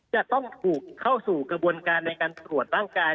จะต้องถูกเข้าสู่กระบวนการในการตรวจร่างกาย